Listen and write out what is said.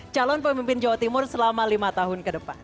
calon pemimpin jawa timur selama lima tahun ke depan